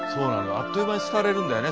あっという間に廃れるんだよね